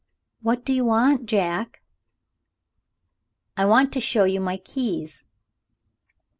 "What do you want, Jack?" "I want to show you my keys."